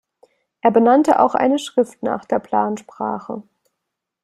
Er benannte auch eine Schrift nach der Plansprache.